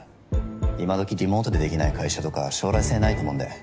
今どきリモートでできない会社とか将来性ないと思うんで。